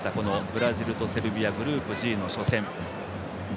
ブラジル、セルビアグループＧの初戦。